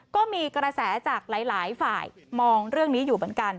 ก็มีกระแสจากหลายฝ่ายมองเรื่องนี้อยู่เหมือนกัน